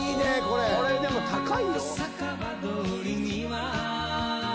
これでも高いよ。